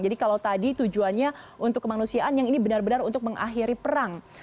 jadi kalau tadi tujuannya untuk kemanusiaan yang ini benar benar untuk mengakhiri perang